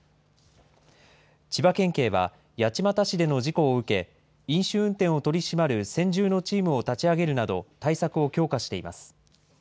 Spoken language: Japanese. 千葉県警は八街市での事故を受け、飲酒運転を取り締まる専従のチームを立ち上げるなど対策を強化しています。